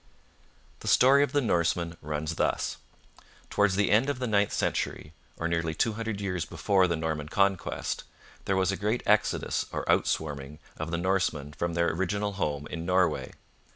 The story of the Norsemen runs thus. Towards the end of the ninth century, or nearly two hundred years before the Norman conquest, there was a great exodus or outswarming of the Norsemen from their original home in Norway.